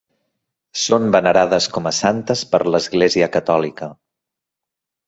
Són venerades com a santes per l'Església catòlica.